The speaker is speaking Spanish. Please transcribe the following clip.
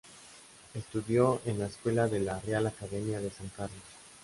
Estudió en la escuela de la Real Academia de San Carlos.